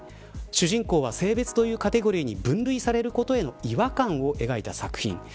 主人公は性別なしというカテゴリに分類されることへの違和感を描いた作品。